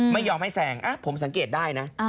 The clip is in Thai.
ไม่ยอมให้แซงผมสังเกตได้นะ